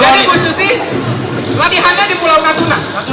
latihannya di pulau katuna